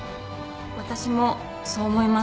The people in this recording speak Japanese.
私もそう思います。